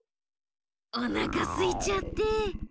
おなかすいちゃって。